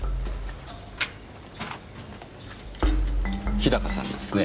日高さんですね？